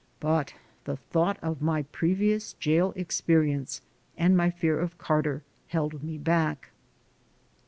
But the thought of my previous jail experience and my fear of Car ter held me back.